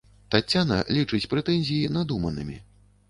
Таццяна лічыць прэтэнзіі надуманымі.